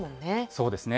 そうですね。